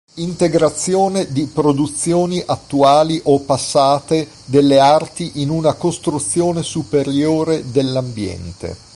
Integrazione di produzioni attuali o passate delle arti in una costruzione superiore dell'ambiente.